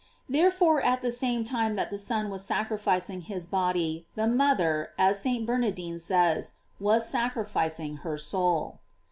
* Therefore, at the same time that the Son was sacrificing hia body, the mother, as St. Bernardino says, wat sacrificing her soul.